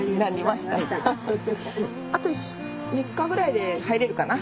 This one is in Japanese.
あと３日ぐらいで入れるかな？